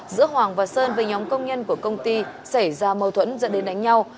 giữa hoàng và sơn với nhóm công nhân của công ty xảy ra mâu thuẫn dẫn đến đánh nhau